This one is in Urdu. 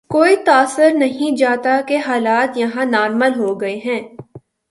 کوئی تاثر نہیں جاتا کہ حالات یہاں نارمل ہو گئے ہیں۔